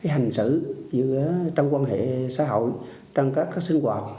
hành xử trong quan hệ xã hội trong các sinh hoạt